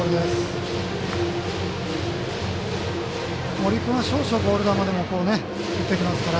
森君は少々ボール球でも打ってきますから。